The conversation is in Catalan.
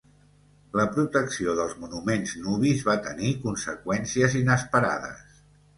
La protecció dels monuments nubis va tenir conseqüències inesperades.